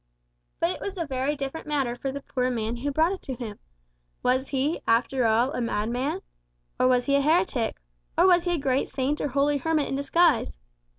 But it was a very different matter for the poor man who brought it to him. Was he, after all, a madman? Or was he a heretic? Or was he a great saint or holy hermit in disguise?